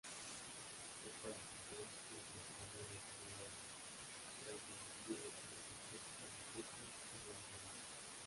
Son parásitos intracelulares obligados, gram negativos presentes en insectos y mamíferos.